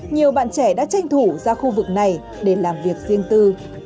nhiều bạn trẻ đã tranh thủ ra khu vực này để làm việc riêng tư